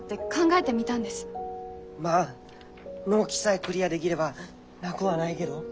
まあ納期さえクリアでぎればなぐはないげど。